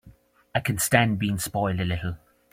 I can stand being spoiled a little.